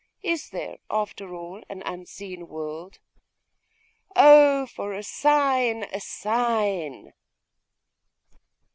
Is there, after all, an unseen world? Oh for a sign, a sign!